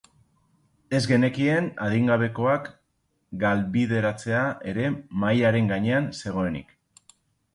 Ez genekien adingabekoak galbideratzea ere mahaiaren gainean zegoenik.